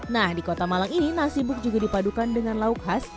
nah di kota malang ini nasi buk juga dipadukan dengan lauk khas